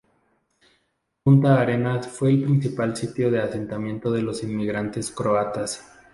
Punta Arenas fue el principal sitio de asentamiento de los inmigrantes croatas.